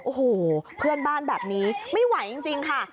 โอ้โหเพื่อนบ้านแบบนี้ไม่ไหวจริงค่ะ